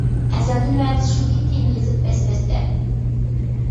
ئەزەلدىن ۋەدىسى شۇكى، تېما يېزىپ بەس-بەستە.